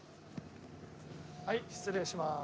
はい失礼しまーす。